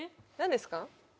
何ですか？